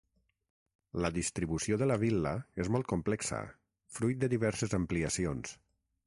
La distribució de la vil·la és molt complexa, fruit de diverses ampliacions.